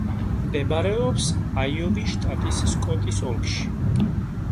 მდებარეობს აიოვის შტატის სკოტის ოლქში.